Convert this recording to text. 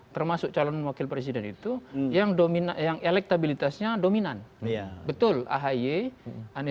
termasuk calon wakil presiden itu yang dominan yang elektabilitasnya dominan iya betul ahaye anies baswedan gatot nurmantio